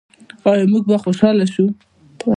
آیا موږ به خوشحاله شو؟